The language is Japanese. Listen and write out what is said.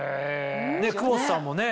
久保田さんもね。